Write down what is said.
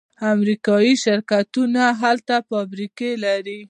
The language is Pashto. امریکایی شرکتونه هلته فابریکې لري.